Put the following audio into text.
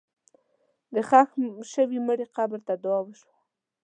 د ښخ شوي مړي قبر ته دعا وشوه.